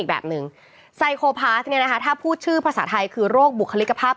อีกแบบหนึ่งเนี้ยนะฮะถ้าพูดชื่อภาษาไทยคือโรคบุคลิกภาพ